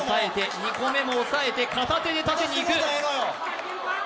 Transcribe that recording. ２個目も抑えて、片手で立てに行く。